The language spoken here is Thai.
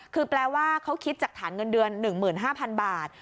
คือแปลว่าเขาคิดจากฐานเงินเดือน๑๕๐๐๐บาท